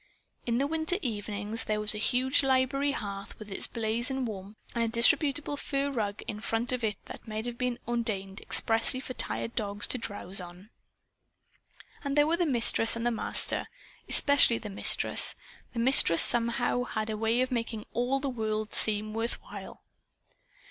In the winter evenings there was the huge library hearth with its blaze and warmth; and a disreputable fur rug in front of it that might have been ordained expressly for tired dogs to drowse on. And there were the Mistress and the Master. Especially the Mistress! The Mistress somehow had a way of making all the world seem worth while.